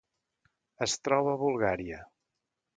Es troba a Bulgària.